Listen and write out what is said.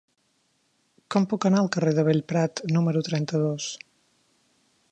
Com puc anar al carrer de Bellprat número trenta-dos?